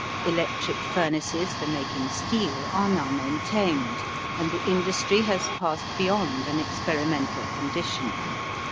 Electric furnaces for making steel are now maintained, and the industry has passed beyond an experimental condition.